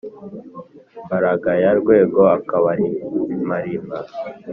mbaragaya rwego akabarimarima.